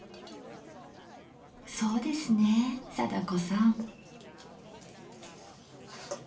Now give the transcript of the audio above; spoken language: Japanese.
そうですねえ貞子さん。